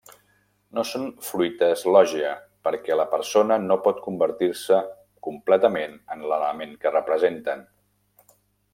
No són fruites Lògia perquè la persona no pot convertir-se completament en l'element que representen.